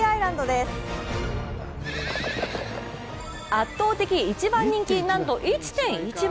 圧倒的一番人気、なんと１．１倍。